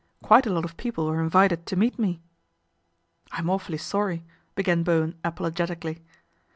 Juite a lot of people were invited to meet me." "I'm awfully sorry/' began Bowen apolo getically.